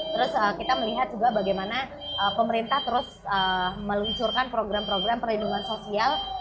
terus kita melihat juga bagaimana pemerintah terus meluncurkan program program perlindungan sosial